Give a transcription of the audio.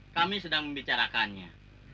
kami sedang membicarakannya